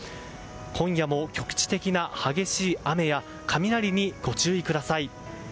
今夜も局地的な激しい雨や雷にご注意ください。